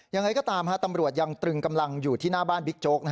อย่างไรก็ตามตำรวจยังตรึงกำลังอยู่ที่หน้าบ้านบิ๊กโจ๊ก